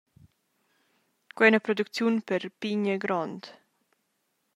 Quei ei ina producziun per pign e grond.